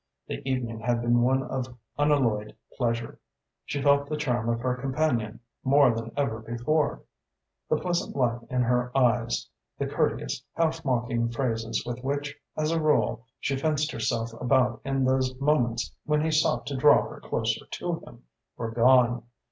The evening had been one of unalloyed pleasure. She felt the charm of her companion more than ever before. The pleasant light in her eyes, the courteous, half mocking phrases with which, as a rule, she fenced herself about in those moments when he sought to draw her closer to him, were gone.